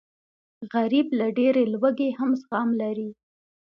غریب له ډېرې لوږې هم زغم لري